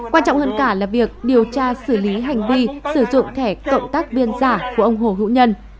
quan trọng hơn cả là việc điều tra xử lý hành vi sử dụng thẻ cộng tác viên giả của ông hồ hữu nhân